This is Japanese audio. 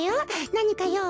なにかよう？